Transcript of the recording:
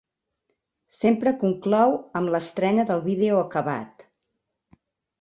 Sempre conclou amb l'estrena del vídeo acabat.